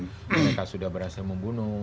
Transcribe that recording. mereka sudah berhasil membunuh